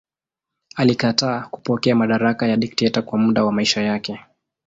Alikataa kupokea madaraka ya dikteta kwa muda wa maisha yake.